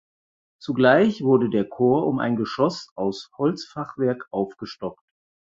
Zugleich wurde der Chor um ein Geschoss aus Holzfachwerk aufgestockt.